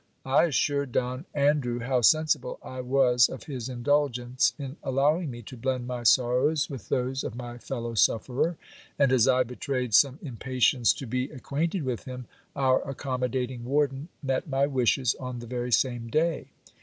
I assured Don An drew how sensible I was of his indulgence in allowing me to blend my sorrows with those of my fellow sufferer ; and, as I betrayed some impatience to be ac quainted with him, our accommodating warden met my wishes on the very same lay.